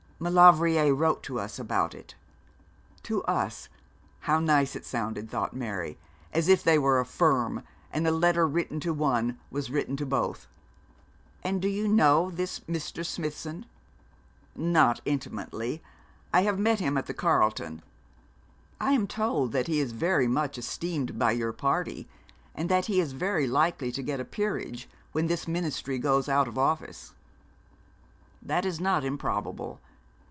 'Maulevrier wrote to us about it.' 'To us.' How nice it sounded, thought Mary, as if they were a firm, and a letter written to one was written to both. 'And do you know this Mr. Smithson?' 'Not intimately. I have met him at the Carlton.' 'I am told that he is very much esteemed by your party, and that he is very likely to get a peerage when this Ministry goes out of office.' 'That is not improbable.